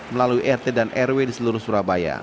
melalui rt dan rw di seluruh surabaya